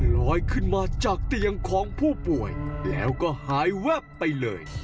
ลอยขึ้นมาจากเตียงของผู้ป่วยแล้วก็หายแวบไปเลย